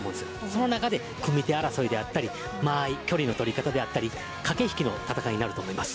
その中で組み手争いであったり、間合い距離の取り方であったり駆け引きの戦いになると思います。